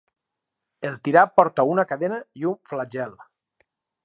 El tirà porta una cadena i un flagel.